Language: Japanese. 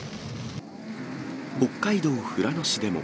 北海道富良野市でも。